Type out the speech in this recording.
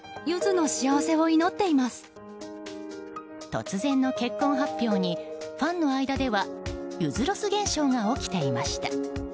突然の結婚発表にファンの間ではゆづロス現象が起きていました。